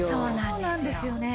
そうなんですよね。